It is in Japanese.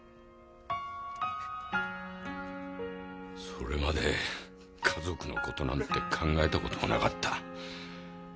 それまで家族の事なんて考えた事もなかった。